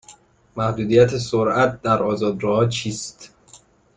محدودیت سرعت در آزاد راه ها چیست؟